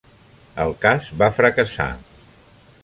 El cas va fracassar.